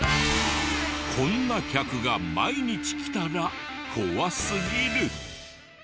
こんな客が毎日来たら怖すぎる！